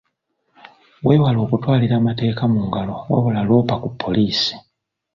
Weewale okutwalira amateeka mu ngalo wabula loopa ku poliisi.